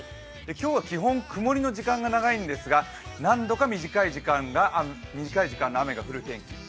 今日は基本、曇りの時間が長いんですが何度か短い時間、雨が降る天気。